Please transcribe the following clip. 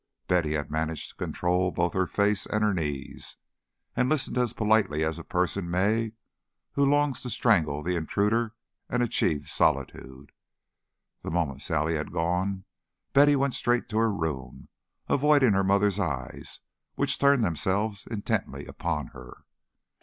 Betty had managed to control both her face and her knees, and listened as politely as a person may who longs to strangle the intruder and achieve solitude. The moment Sally had gone Betty went straight to her room, avoiding her mother's eyes, which turned themselves intently upon her.